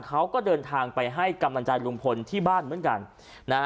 เขาก็เดินทางไปให้กำลังใจลุงพลที่บ้านเหมือนกันนะฮะ